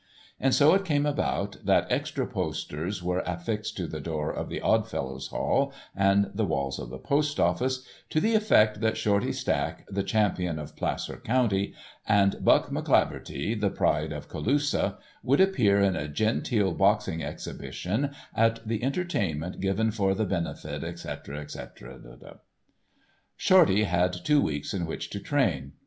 And so it came about that extra posters were affixed to the door of the Odd Fellows' Hall and the walls of the Post Office to the effect that Shorty Stack, the champion of Placer County, and Buck McCleaverty, the Pride of Colusa, would appear in a genteel boxing exhibition at the entertainment given for the benefit, etc., etc. Shorty had two weeks in which to train.